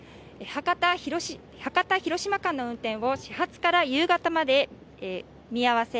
博多−広島間の運転を始発から夕方まで見合わせ